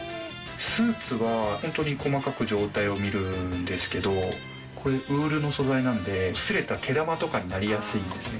スーツは本当に細かく状態を見るんですけど、これ、ウールの素材なので、すれたら、毛玉とかになりやすいんですよ。